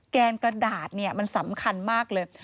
แกนกระดาษเนี่ยมันสำคัญมากเลย